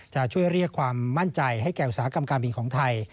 จะช่วยเรียกความมั่นใจให้แก่อุตสาหกรรมการบินของไทย